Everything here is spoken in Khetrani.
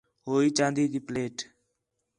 ہوئی چاندی تی پلیٹ